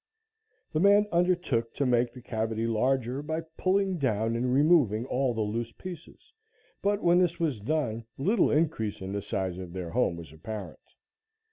The man undertook to make the cavity larger by pulling down and removing all the loose pieces, but, when this was done, little increase in the size of their home was apparent.